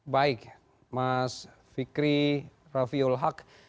baik mas fikri raffiul haq